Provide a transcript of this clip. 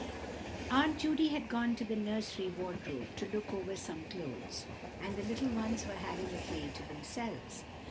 AUNT JUDY had gone to the nursery wardrobe to look over some clothes, and the little ones were having a play to themselves.